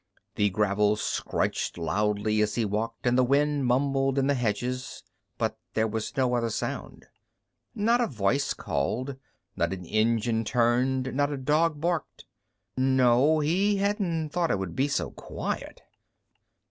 The gravel scrunched loudly as he walked, and the wind mumbled in the hedges, but there was no other sound. Not a voice called; not an engine turned; not a dog barked. No, he hadn't thought it would be so quiet.